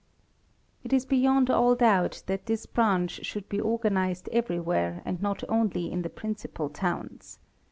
,|; a It is beyond all doubt that this branch should be organised everywhere : and not only in the principal towns.